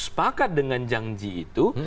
sepakat dengan janji itu